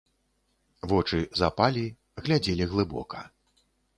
Вочы запалі, глядзелі глыбока.